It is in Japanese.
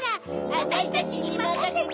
わたしたちにまかせて！